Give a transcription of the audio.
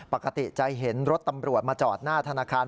ปกติจะเห็นรถตำรวจมาจอดหน้าธนาคาร